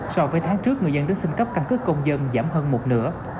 so với tháng trước người dân đến xin cấp căn cứ công dân giảm hơn một nửa